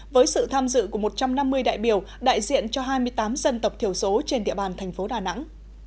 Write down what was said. với sự tham dự của một trăm năm mươi đại biểu đại diện cho hai mươi tám dân tộc thiểu số trên địa bàn thành phố đà nẵng